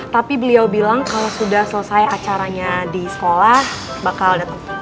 tapi beliau bilang kalau sudah selesai acaranya di sekolah bakal datang